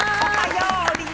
おはよう！